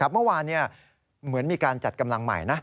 เมื่อวานเหมือนมีการจัดกำลังใหม่นะ